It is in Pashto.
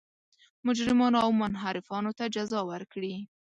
مجرمانو او منحرفانو ته جزا ورکړي.